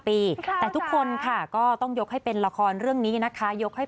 ปีค่ะแต่ทุกคนค่ะก็ต้องยกให้เป็นละครเรื่องนี้นะคะยกให้